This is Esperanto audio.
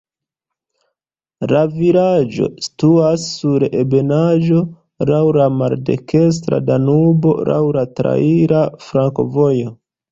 La vilaĝo situas sur ebenaĵo, laŭ la maldekstra Danubo, laŭ traira flankovojo.